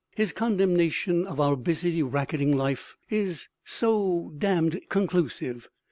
His condemnation of our busy, racketing life is so damned conclusive!